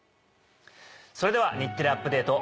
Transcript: それでは『日テレアップＤａｔｅ！』